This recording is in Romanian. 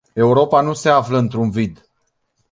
Europa nu se află într-un vid.